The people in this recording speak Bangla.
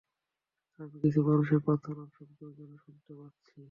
আমি কিছু মানুষের প্রার্থনার শব্দও যেন শুনতে পাচ্ছি!